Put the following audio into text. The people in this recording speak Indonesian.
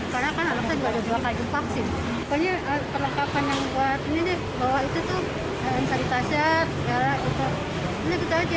karena kan alasan dua kali vaksin punya perlengkapan yang buat ini nih bahwa itu tuh